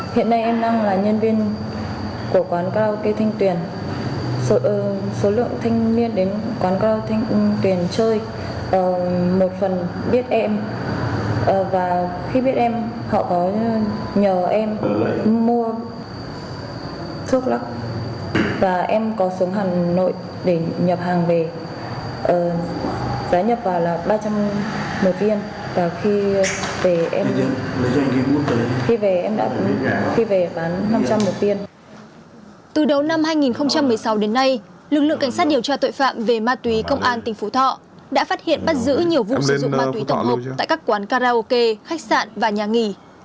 từ đầu năm hai nghìn một mươi sáu đến nay lực lượng cảnh sát điều tra tội phạm về ma túy công an tỉnh phú thọ đã phát hiện bắt giữ nhiều vụ sử dụng ma túy tổng hợp tại các quán karaoke khách sạn và nhà nghỉ